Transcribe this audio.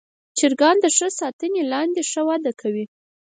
چرګان د ښه ساتنې لاندې ښه وده کوي.